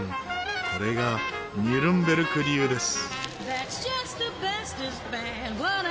これがニュルンベルク流です。